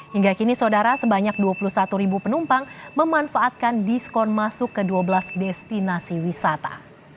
hingga kini saudara sebanyak dua puluh satu ribu penumpang memanfaatkan diskon masuk ke dua belas destinasi wisata